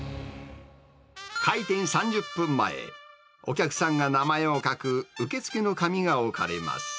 開店３０分前、お客さんが名前を書く受け付けの紙が置かれます。